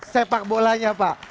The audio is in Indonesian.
sepak bolanya pak